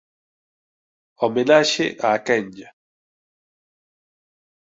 Homenaxe á Quenlla